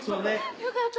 よかった。